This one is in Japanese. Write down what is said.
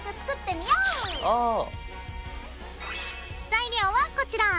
材料はこちら！